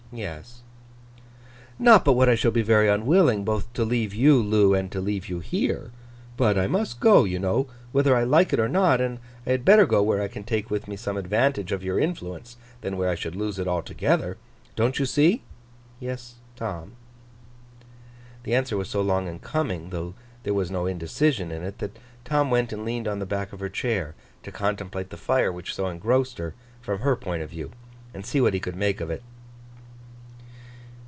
Yes.' 'Not but what I shall be very unwilling, both to leave you, Loo, and to leave you here. But I must go, you know, whether I like it or not; and I had better go where I can take with me some advantage of your influence, than where I should lose it altogether. Don't you see?' 'Yes, Tom.' The answer was so long in coming, though there was no indecision in it, that Tom went and leaned on the back of her chair, to contemplate the fire which so engrossed her, from her point of view, and see what he could make of it.